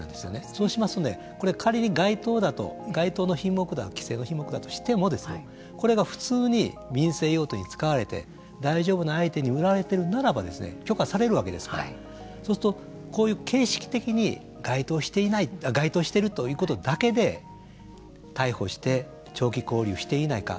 そうしますとこれが仮に該当だと規制の品目だとしてもこれが普通に民生用途に使われて大丈夫な相手に売られているならば許可されるわけですからそうするとこういう形式的に該当してるということだけで逮捕して長期勾留していないか。